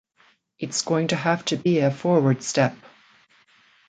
It's going to have to be a forward step.